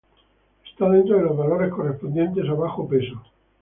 está dentro de los valores correspondientes a “bajo peso”